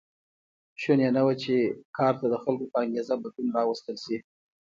شونې نه وه چې کار ته د خلکو په انګېزه بدلون راوستل شي.